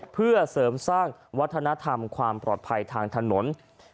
เพื่อเสริมสร้างวัฒนธรรมความปลอดภัยทางถนน